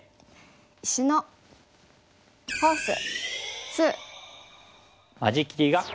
「石のフォース２」。